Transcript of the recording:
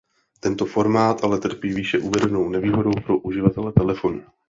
Tento formát ale trpí výše uvedenou nevýhodou pro uživatele telefonu.